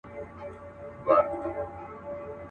نه بيزو نه قلندر ورته په ياد وو.